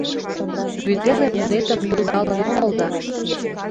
Вӱтеле мунетым йӱлдалын омыл да